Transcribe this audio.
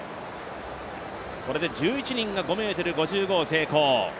これで１１人が５ｍ５５を成功。